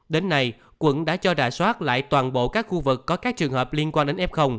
đến nay quận đã cho đà soát lại toàn bộ các khu vực có các trường hợp liên quan đến f